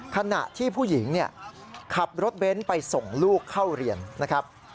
ขณะที่ผู้หญิงขับรถเบ้นไปส่งลูกเข้าเรียนนะครับ